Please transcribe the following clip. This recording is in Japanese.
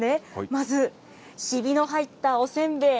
まずひびの入ったおせんべい。